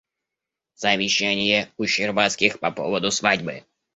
Совещание у Щербацких по поводу свадьбы.